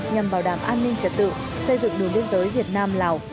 nhằm bảo đảm an ninh trật tự xây dựng đường biên giới việt nam lào